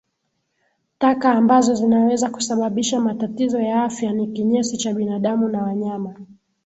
Taka ambazo zinaweza kusababisha matatizo ya afya ni kinyesi cha binadamu na wanyama